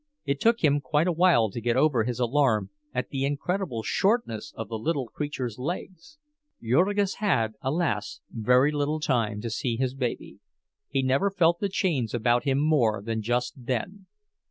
It took him quite a while to get over his alarm at the incredible shortness of the little creature's legs. Jurgis had, alas, very little time to see his baby; he never felt the chains about him more than just then.